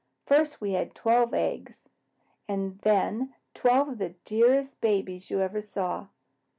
First we had twelve eggs, and then twelve of the dearest babies you ever saw."